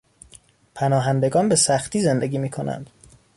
پناهندگان به سختی زندگی می کنند.